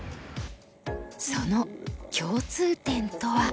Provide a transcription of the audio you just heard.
その共通点とは。